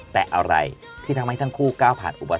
แต่อะไรที่ทำให้ทั้งคู่ก้าวผ่านอุบั